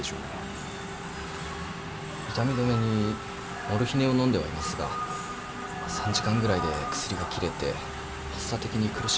痛み止めにモルヒネを飲んではいますが３時間ぐらいで薬がきれて発作的に苦しむことがあります。